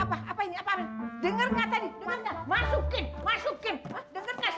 apa apa apa ini apa apa ini dengar gak tadi dengar gak masukin masukin dengar gak sih